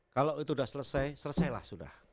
kalau itu sudah selesai selesailah sudah